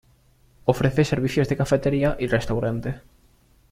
Ofrece servicios de cafetería y restaurante.